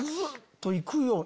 といくよな？